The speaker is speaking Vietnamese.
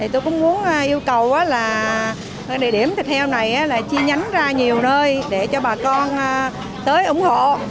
tôi cũng muốn yêu cầu là địa điểm thịt heo này là chi nhánh ra nhiều nơi để cho bà con tới ủng hộ